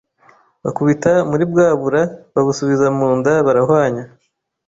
bakubita muri bwa bura babusubiza mu nda barahwanya.